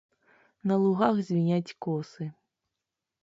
На лугах звіняць косы.